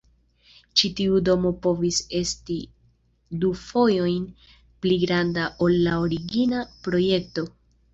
Ĉi tiu domo povis esti du fojojn pli granda ol la origina projekto.